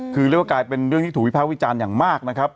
คือเรียกว่ากลายเป็นเรื่องที่ถูกวิภาควิจารณ์อย่างมากนะครับ